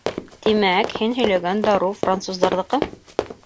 — Тимәк, һин һөйләгән дарыу француздарҙыҡы?